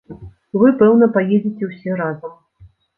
Вы, пэўна, паедзеце ўсе разам.